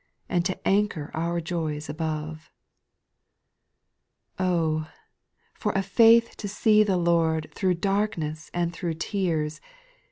And to anchor our joys above I ' 5. Oh I for a faith to see the Lord Through darkness and through tears.